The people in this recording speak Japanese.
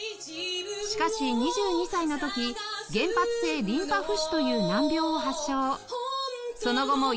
しかし２２歳の時原発性リンパ浮腫という難病を発症